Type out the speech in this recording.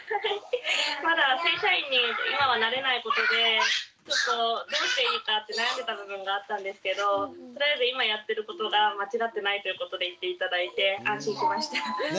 まだ正社員に今はなれないことでちょっとどうしていいかって悩んでた部分があったんですけどとりあえず今やってることが間違ってないってことを言って頂いて安心しました。